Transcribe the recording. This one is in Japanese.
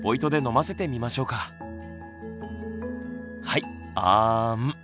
はいあん。